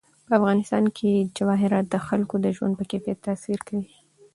په افغانستان کې جواهرات د خلکو د ژوند په کیفیت تاثیر کوي.